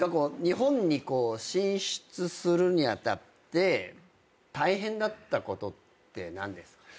日本に進出するに当たって大変だったことって何ですか？